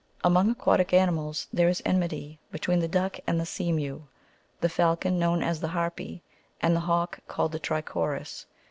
Among aquatic animals, there is enmity between the duck and the sea mew, the falcon known as the " harpe," and the hawk called the " triorchis."